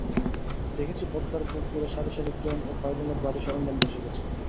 দেখছি পদ্মার বুকজুড়ে সারি সারি ক্রেন ও পাইলিংয়ের ভারী সরঞ্জাম বসে গেছে।